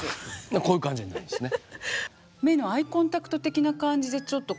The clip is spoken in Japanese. こういう感じになるんですね。